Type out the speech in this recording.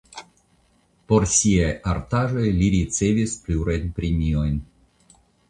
Por siaj artaĵoj li ricevis plurajn premiojn.